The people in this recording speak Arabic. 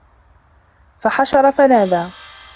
فَحَشَرَ فَنادى